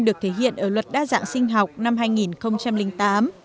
được thể hiện ở luật đa dạng sinh học năm hai nghìn tám